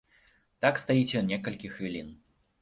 Так стаіць ён некалькі хвілін.